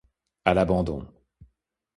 À l'abandon.